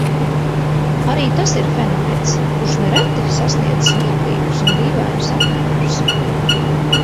Arī tas ir fenomens, kurš nereti sasniedz smieklīgus un dīvainus apmērus.